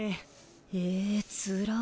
ええつらっ。